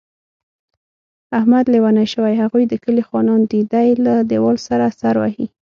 احمد لېونی شوی، هغوی د کلي خانان دي. دی له دېوال سره سر وهي.